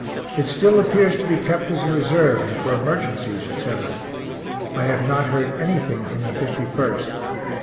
It still appears to be kept as a reserve and for emergencies, etc. I have not heard anything from the 51st.